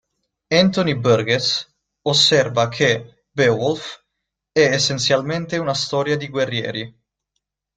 Anthony Burgess osserva che "Beowulf è, essenzialmente, una storia di guerrieri".